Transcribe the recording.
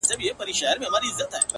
o په زلفو ورا مه كوه مړ به مي كړې،